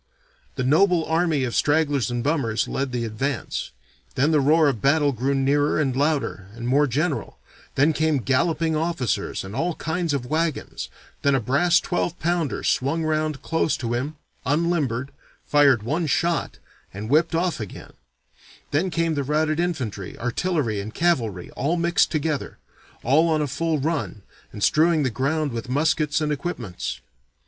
The noble army of stragglers and bummers led the advance then the roar of battle grew nearer and louder and more general, then came galloping officers and all kinds of wagons, then a brass twelve pounder swung round close to him, unlimbered, fired one shot, and whipped off again then came the routed infantry, artillery, and cavalry, all mixed together, all on a full run, and strewing the ground with muskets and equipments.